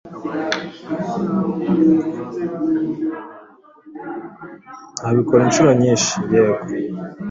Nabikora inshuro nyinshi, yego